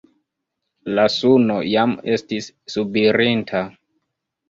La suno jam estis subirinta.